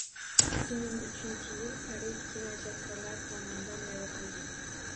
Ikki ming uchinchi yil Koreys kino ijodkorlari tomonidan yaratilgan